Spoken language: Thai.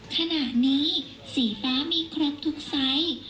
ขณะนี้สีฟ้ามีครบทุกไซส์